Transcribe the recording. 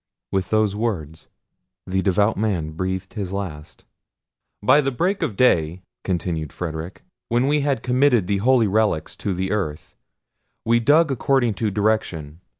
With those words the devout man breathed his last. "By break of day," continued Frederic, "when we had committed the holy relics to earth, we dug according to direction.